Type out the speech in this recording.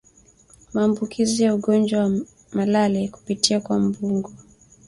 maambukizi ya ugonjwa wa malale kupitia kwa mbungo